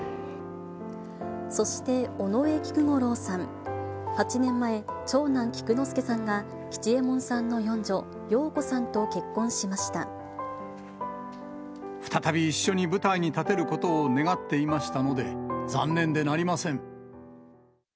そして尾上菊五郎さん、８年前、長男、菊之助さんが吉右衛門さんの四女、再び、一緒に舞台に立てることを願っていましたので、残念でなりません。